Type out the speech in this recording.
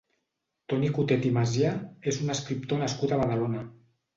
Toni Cotet i Masià és un escriptor nascut a Badalona.